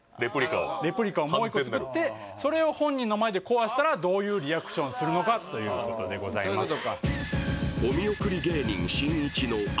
完全なるレプリカをもう一個作ってそれを本人の前で壊したらどういうリアクションするのかということでございます